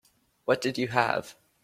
What did you have?